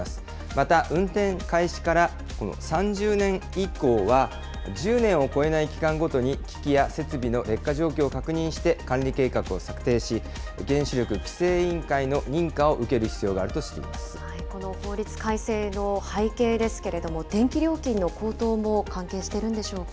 また、運転開始からこの３０年以降は、１０年を超えない期間ごとに機器や設備の劣化状況を確認して、管理計画を策定し、原子力規制委員会の認可を受ける必要があるとしこの法律改正の背景ですけれども、電気料金の高騰も関係してるんでしょうか。